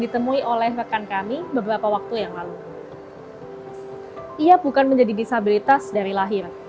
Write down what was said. ditemui oleh rekan kami beberapa waktu yang lalu ia bukan menjadi disabilitas dari lahir